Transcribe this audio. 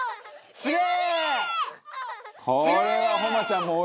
すげえ。